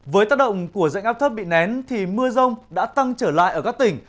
với tác động của dạnh áp thấp bị nén mưa rông đã tăng trở lại ở các tỉnh